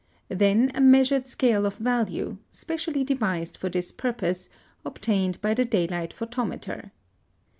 Then a measured scale of value, specially devised for this purpose, obtained by the daylight photometer.